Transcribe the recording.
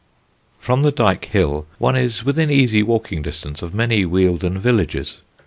_] From the Dyke hill one is within easy walking distance of many Wealden villages.